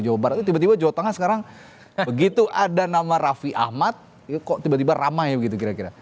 jawa barat itu tiba tiba jawa tengah sekarang begitu ada nama raffi ahmad kok tiba tiba ramai begitu kira kira